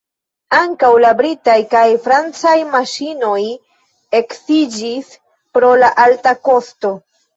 Ankaŭ la britaj kaj la francaj maŝinoj eksiĝis pro la alta kosto.